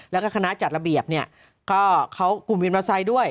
แล้วก็คณะจัดระเบียบเนี่ยก็เขากลุ่มวินมอเตอร์ไซค์ด้วย